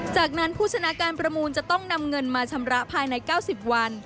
จากนั้นผู้ชนะการประมูลจะต้องนำเงินมาชำระภายใน๙๐วัน